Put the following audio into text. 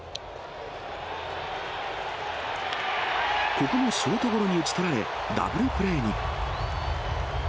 ここもショートゴロに打ち取られ、ダブルプレーに。